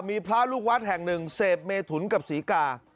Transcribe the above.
มีพระลูกวัดแห่งหนึ่งเสพเมถุนกับศรีกา